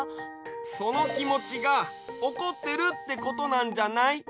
そのきもちがおこってるってことなんじゃない？